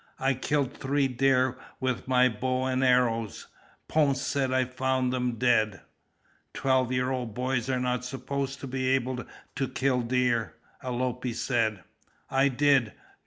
"I killed three deer with my bow and arrows. Ponce said I found them dead!" "Twelve year old boys are not supposed to be able to kill deer," Alope said. "I did!"